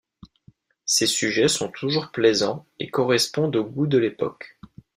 Ses sujets sont toujours plaisants et correspondent au goût de l'époque.